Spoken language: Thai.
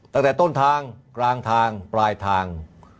ตั้งแต่ต้นทางกลางทางปลายทาง